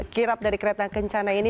kirap dari kereta kencana ini